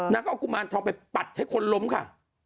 นางก็เอากุมารทองไปปัดให้คนล้มค่ะ